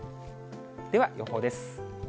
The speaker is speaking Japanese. では予報です。